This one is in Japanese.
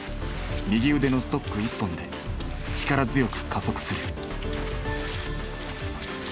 右腕のストック１本で力強く加速する。